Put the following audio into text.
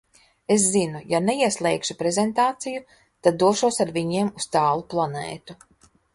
Es zinu – ja neieslēgšu prezentāciju, tad došos ar viņiem uz tālu planētu.